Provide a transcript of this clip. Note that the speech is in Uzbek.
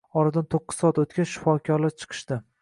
Oradan toʻqqiz soat oʻtgach, shifokorlar chiqishdi